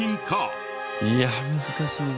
いや難しいな。